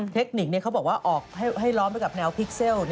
เทคนิคเขาบอกว่าออกให้ล้อมไปกับแนวพิกเซล